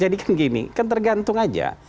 jadi kan gini kan tergantung aja